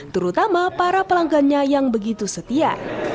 terutama para pelanggannya yang begitu setia